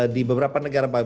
di beberapa negara bagaian